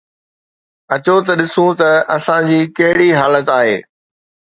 اچو ته ڏسون ته اسان جي ڪهڙي حالت آهي.